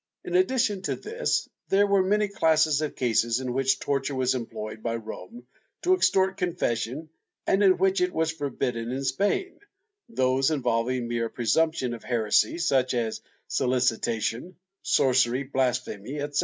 In addition to this there were many classes of cases in which torture was employed by Rome to extort con fession and in which it was forbidden in Spain — those involving mere presumption of heresy, such as solicitation, sorcery, blas phemy etc.